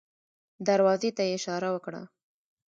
دروازې ته يې اشاره وکړه.